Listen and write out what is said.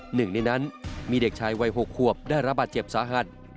หนึ่งในนั้นมีเด็กชายวัย๖ขวบได้รับบาดเจ็บสาหัส